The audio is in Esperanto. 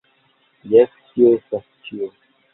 Jes tio estas ĉio!